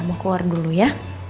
mau keluar dulu ya